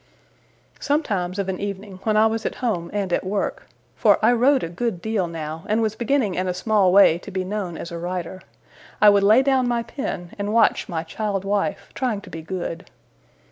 Sometimes, of an evening, when I was at home and at work for I wrote a good deal now, and was beginning in a small way to be known as a writer I would lay down my pen, and watch my child wife trying to be good.